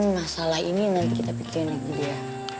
masalah ini nanti kita pikirin lagi dia